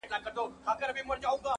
په پټه او بې غږه ترسره سي.